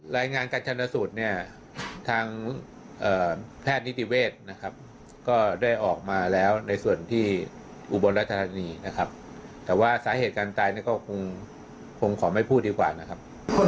เรามีจำนวนของเราอยู่นะครับว่าคงไม่เปิดเผยนะครับ